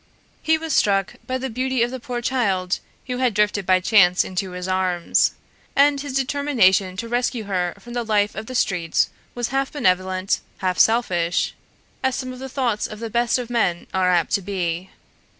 He was struck by the beauty of the poor child who had drifted by chance into his arms, and his determination to rescue her from the life of the streets was half benevolent, half selfish, as some of the thoughts of the best of men are apt to be.